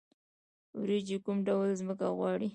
وریجې کوم ډول ځمکه غواړي؟